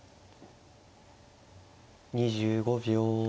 ２５秒。